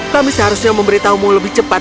kami seharusnya memberitahu mu lebih cepat